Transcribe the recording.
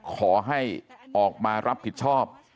ขอให้ออกมารับผิดชอบ